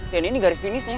dian ini garis finishnya